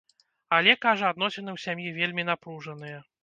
Але, кажа, адносіны ў сям'і вельмі напружаныя.